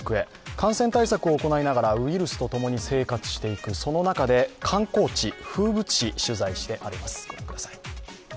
感染対策を行いながらウイルスと共に生活していく、その中で観光地、風物詩を取材してあります。